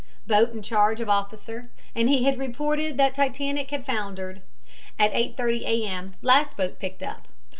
boat in charge of officer, and he reported that Titanic had foundered. At 8.30 A. M. last boat picked up.